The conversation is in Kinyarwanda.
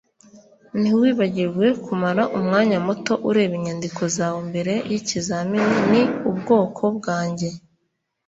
ntiwibagirwe kumara umwanya muto ureba inyandiko zawe mbere yikizamini. ni ubwoko bwanjye